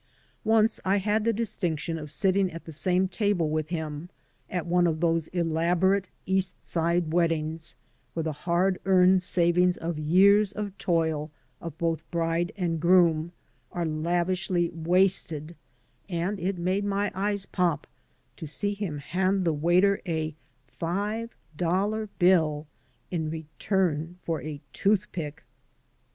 Once I had the distinction of sitting at the same table with him at one of those elaborate East Side wed dings, where the hard earned savings of years of toil of both bride and groom are lavishly wasted, and it made my eyes pop to see him hand the waiter a five dollar bill in return for a toothpick!